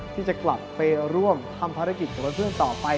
ที่จะกลับไปร่วมทำภารกิจกับเพื่อนต่อไป